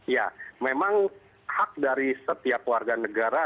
ya memang hak dari setiap warga negara